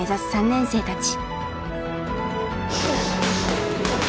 ３年生たち。